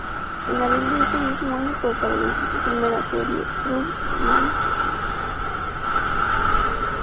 En abril de ese mismo año, protagonizó su primera serie, "Trouble Man".